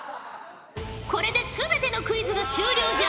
これで全てのクイズが終了じゃ。